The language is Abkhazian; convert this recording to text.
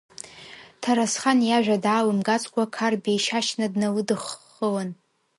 Ҭарасхан иажәа даалымгацкәа Қарбеи Шьашьна дналыдыххылан…